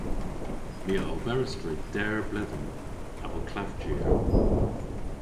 My a oberas dre deyr bledhen avel klavjier.